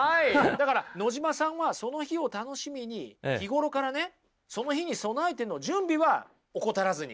だから野島さんはその日を楽しみに日頃からねその日に備えての準備は怠らずに。